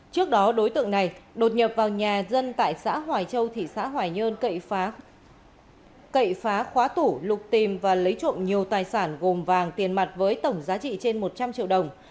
trước đó đối tượng này đột nhập vào nhà dân tại xã hoài châu thị xã hoài nhơn cậy phá cậy phá khóa tủ lục tìm và lấy trộm nhiều tài sản gồm vàng tiền mặt với tổng giá trị trên một trăm linh triệu đồng